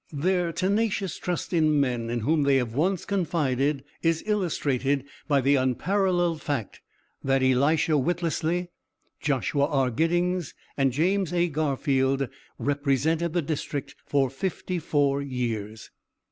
Their tenacious trust in men in whom they have once confided is illustrated by the unparalleled fact that Elisha Whittlesey, Joshua R. Giddings, and James A. Garfield represented the district for fifty four years.